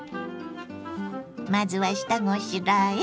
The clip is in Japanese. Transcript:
まずは下ごしらえ。